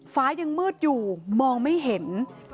ฟ้ายังมืดอยู่มองไม่เห็น